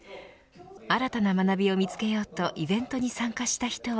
新たな学びを見つけようとイベントに参加した人は。